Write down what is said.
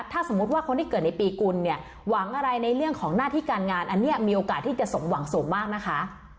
ถ้าสมมุติว่าคนที่เกิดในปีกุลเนี่ยหวังอะไรในเรื่องของหน้าที่การงานอันนี้มีโอกาสที่จะสมหวังสูงมากนะคะ